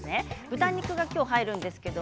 豚肉が入ります。